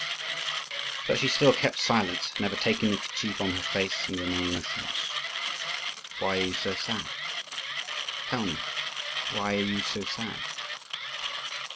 But she still kept silence, never taking the kerchief from her face, and remaining motionless. "Why are you so sad? Tell me, why are you so sad?"